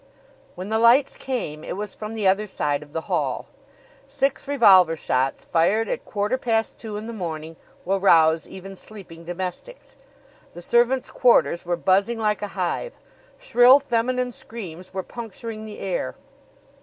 When the lights came, it was from the other side of the hall. Six revolver shots, fired at quarter past two in the morning, will rouse even sleeping domestics. The servants' quarters were buzzing like a hive. Shrill feminine screams were puncturing the air.